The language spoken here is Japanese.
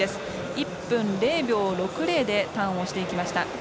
１分０秒６０でターンしました。